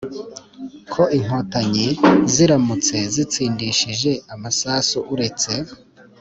ko inkotanyi ziramutse zitsindishije amasasu uretse